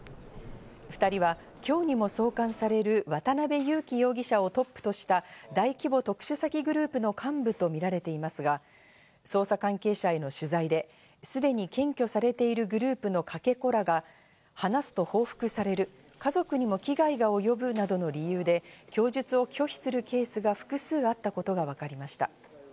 ２人は今日にも送還される渡辺優樹容疑者をトップとした大規模特殊詐欺グループの幹部とみられていますが、捜査関係者への取材ですでに検挙されているグループのかけ子らが話すと報復される、家族にも危害が及ぶなどの理由で供述を拒否するケースが複数あったことがわかりました。